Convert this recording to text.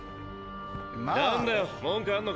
なんだよ文句あんのか？